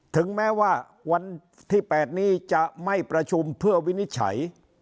ถึงแม้ว่าวันที่๘นี้จะไม่ประชุมเพื่อวินิจฉัย